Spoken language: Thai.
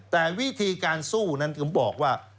แต่วิธีการสู้นั้นถึงบอกว่า